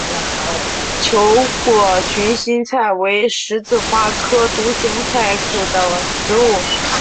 球果群心菜为十字花科独行菜属的植物。